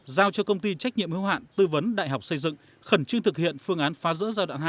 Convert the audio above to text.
giao cho công ty trách nhiệm hữu hạn tư vấn đại học xây dựng khẩn trương thực hiện phương án phá rỡ giai đoạn hai